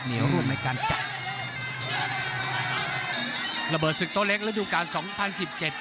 ร่วมในการจับระเบิดศึกโต๊เล็กฤดูการสองพันสิบเจ็ด